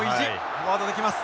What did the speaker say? フォワードで来ます。